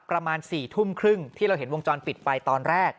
ประมาณ๔ทุ่มครึ่งที่เราเห็นวงจรปิดไปตอนแรก